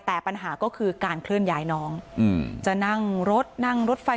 แต่ปัญหาก็คือการเคลื่อนย้ายน้องจะนั่งรถนั่งรถไฟ